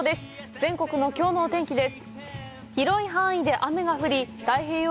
全国のきょうのお天気です。